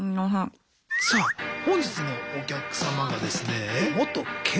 さあ本日のお客様がですね